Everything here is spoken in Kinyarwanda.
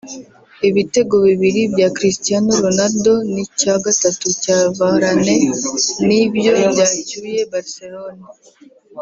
Ibitego bibiri bya Christiano Ronaldo n’icya gatatu cya Varane ni byo byacyuye Barcelone